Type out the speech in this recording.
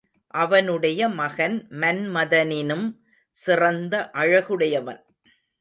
அவனுடைய மகன் மன்மதனினும் சிறந்த அழகுடையவன்.